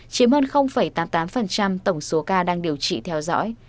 chiếm hơn tám mươi tám tổng số ca đang điều trị theo dõi